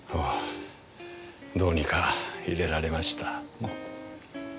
どうにかいれられました。